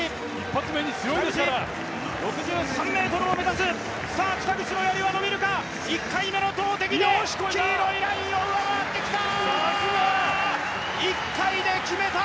北口、６３ｍを目指す北口のやりは伸びるか、１回目の投てきで黄色いラインを上回ってきた！